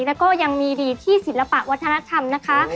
แล้วก็ยังมีดีที่ศิลปะวัฒนธรรมนะคะ